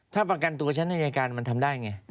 ถ้าประกันตัวชั้นอายการมันทำได้ไง